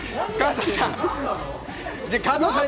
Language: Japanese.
加藤さん！